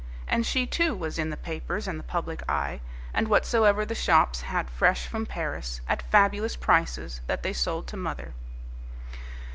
And she, too, was in the papers and the public eye; and whatsoever the shops had fresh from Paris, at fabulous prices, that they sold to mother.